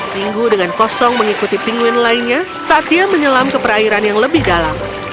pinggu dengan kosong mengikuti pinguin lainnya saat dia menyelam ke perairan yang lebih dalam